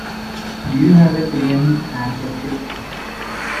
Do you have a clean handkerchief?